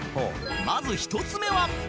まず１つ目は